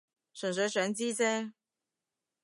純粹想知啫